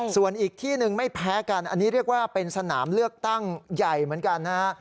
ส่วนอีกที่หนึ่งไม่แพ้กันอันนี้เรียกว่าเป็นสนามเลือกตั้งใหญ่เหมือนกันนะฮะ